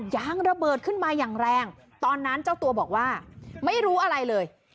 ยางระเบิดขึ้นมาอย่างแรงตอนนั้นเจ้าตัวบอกว่าไม่รู้อะไรเลย